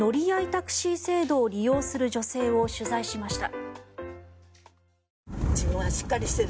タクシー制度を利用する女性を取材しました。